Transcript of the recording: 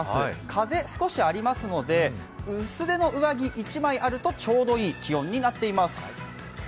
風少しありますので薄手の上着１枚あるとちょうどいい気温になっています。